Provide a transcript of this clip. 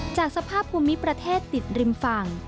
จากสภาพภูมิประเทศติดริมฝั่ง